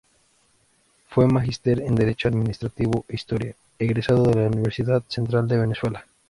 Fue magíster en derecho administrativo e historia, egresado de la Universidad Central de Venezuela.